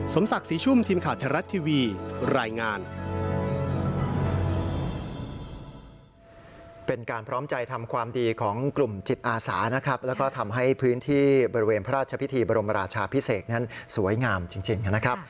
สมศักดิ์สีชุ่มทีมข่าวแทนรัฐทีวีรายงาน